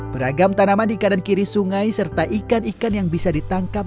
beragam tanaman di kanan kiri sungai serta ikan ikan yang bisa ditangkap